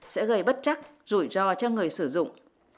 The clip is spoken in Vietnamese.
sẽ gây bất chắc rủi ro cho người sử dụng